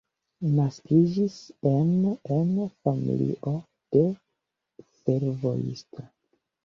Naskiĝis en en familio de fervojisto.